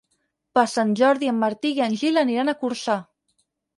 Per Sant Jordi en Martí i en Gil aniran a Corçà.